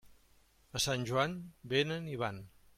A Sant Joan, vénen i van.